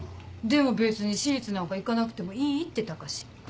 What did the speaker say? でも別に私立なんか行かなくてもいいって高志。